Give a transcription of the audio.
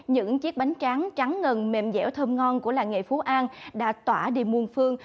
những chiếc bánh tráng trắng trắng ngần mềm dẻo thơm ngon của làng nghề phú an đã tỏa đi muôn phương